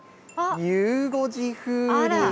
ゆう５時風鈴。